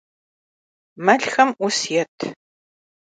Melxem 'us yêt!